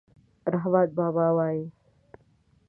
رحمان بابا وایي: